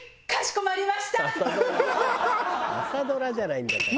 「朝ドラじゃないんだから」